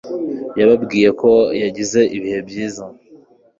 yababwiye ko yagize ibihe byiza